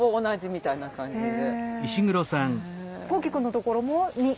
みたいな感じで。